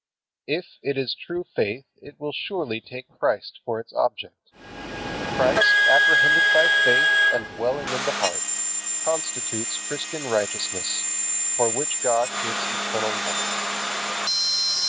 If it is true faith it will surely take Christ for its object. Christ, apprehended by faith and dwelling in the heart, constitutes Christian righteousness, for which God gives eternal life.